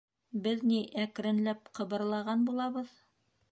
— Беҙ ни әкренләп ҡыбырлаған булабыҙ.